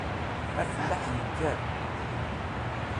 Afellaḥ yekker.